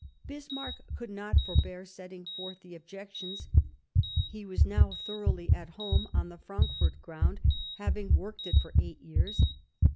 Bismarck could not forbear setting forth the objections ; he was now thoroughly at home on the Frankfort ground, having worked it for eight years.